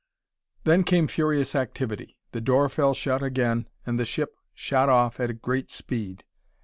Then came furious activity. The door fell shut again, and the ship shot off at great speed.